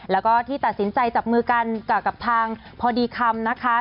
แล้วก็ที่ตัดสินใจจับมือกันกับทางพอดีคำนะคะ